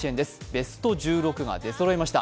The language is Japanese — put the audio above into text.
ベスト１６が出そろいました。